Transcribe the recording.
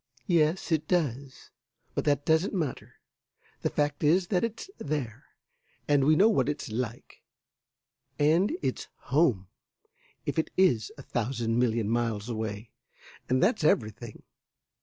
"Yes, it does, but that doesn't matter. The fact is that it's there, and we know what it's like, and it's home, if it is a thousand million miles away, and that's everything."